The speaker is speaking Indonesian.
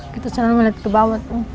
kita selalu melihat ke bawah